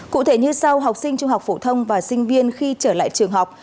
cụ thể như sau học sinh trung học phổ thông và sinh viên khi trở lại trường học